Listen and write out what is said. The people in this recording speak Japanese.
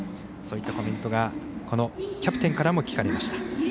そういったコメントがこのキャプテンからも聞かれました。